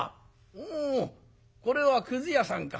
「おおこれはくず屋さんか。